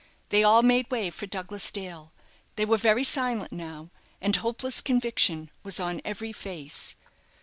They all made way for Douglas Dale; they were very silent now, and hopeless conviction was on every face.